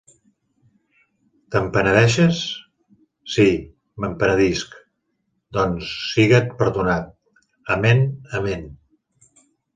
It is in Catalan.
—Te'n penedeixes? —Sí, me'n penedisc. —Doncs, siga't perdonat. —Amén, amén.